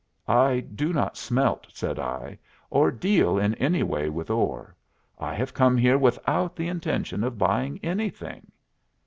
"I do not smelt," said I, "or deal in any way with ore. I have come here without the intention of buying anything."